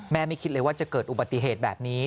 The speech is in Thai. ไม่คิดเลยว่าจะเกิดอุบัติเหตุแบบนี้